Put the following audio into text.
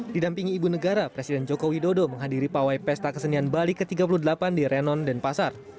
didampingi ibu negara presiden jokowi dodo menghadiri pawai pesta kesenian bali ke tiga puluh delapan di renon dan pasar